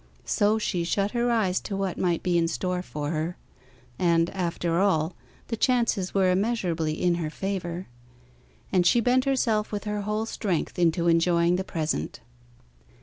So she shut her eyes to what might be in store for her (and, after all, the chances were immeasurably in her favour); and she bent herself with her whole strength into enjoying the present.